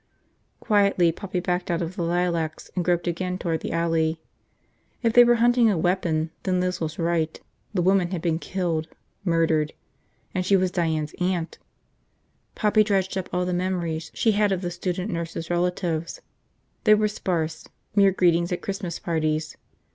Quietly Poppy backed out of the lilacs and groped again toward the alley. If they were hunting a weapon then Liz was right, the woman had been killed. Murdered. And she was Diane's aunt. Poppy dredged up all the memories she had of the student nurses' relatives. They were sparse, mere greetings at Christmas parties.